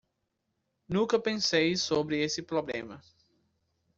Nunca pensei sobre esse problema